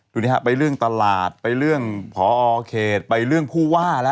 ดูนี่ฮะไปเรื่องตลาดไปเรื่องพอเขตไปเรื่องผู้ว่าแล้ว